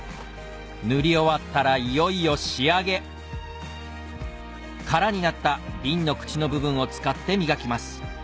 塗り終わったらいよいよ仕上げ空になった瓶の口の部分を使って磨きます